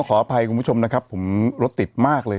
ขออภัยคุณผู้ชมนะครับผมรถติดมากเลย